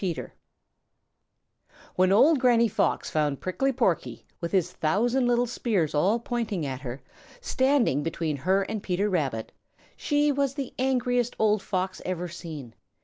PETER When old Granny Fox found Prickly Porky, with his thousand little spears all pointing at her, standing between her and Peter Rabbit, she was the angriest old Fox ever seen.